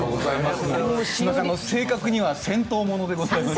正確には銭湯モノでございます。